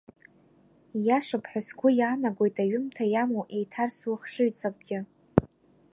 Ииашоуп ҳәа сгәы иаанагоит аҩымҭа иамоу еиҭарсу ахшыҩҵакгьы.